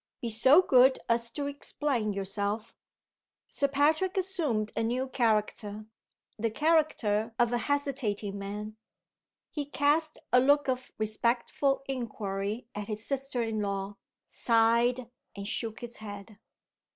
Be so good as to explain yourself." Sir Patrick assumed a new character the character of a hesitating man. He cast a look of respectful inquiry at his sister in law, sighed, and shook his head.